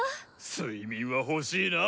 睡眠は欲しいな。